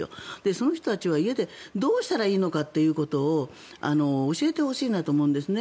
その人たちは家でどうしたらいいのかということを教えてほしいなと思うんですよね。